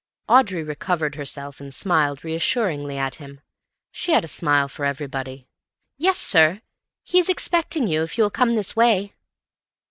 Audrey recovered herself and smiled reassuringly at him. She had a smile for everybody. "Yes, sir. He is expecting you, if you will come this way."